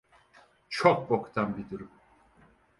Çok boktan bir durum.